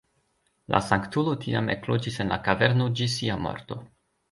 La sanktulo tiam ekloĝis en la kaverno ĝis sia morto.